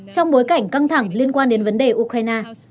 trong bối cảnh căng thẳng liên quan đến vấn đề ukraine